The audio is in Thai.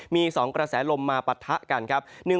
มี๒กระแสลมมาปะทะกัน